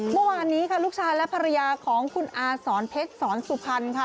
เมื่อวานนี้ค่ะลูกชายและภรรยาของคุณอาสอนเพชรสอนสุพรรณค่ะ